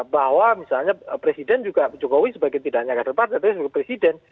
bahwa misalnya presiden juga jokowi sebagai tidak hanya kader partai tapi juga presiden